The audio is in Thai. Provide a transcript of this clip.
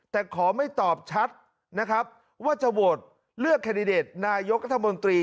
แต่ขอไม่ตอบชัดนะครับว่าจะโหวตเลือกแคนดิเดตนายกรัฐมนตรี